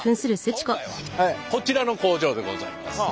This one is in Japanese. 今回はこちらの工場でございます。